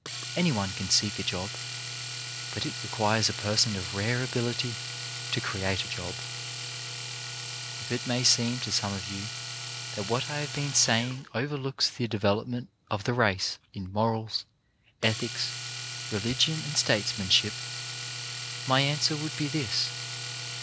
Any one can seek a job, but it requires a person of rare ability to create a job. If it may seem to some of you that what I have been saying overlooks the development of the 266 CHARACTER BUILDING race in morals, ethics, religion and statesmanship, my answer would be this.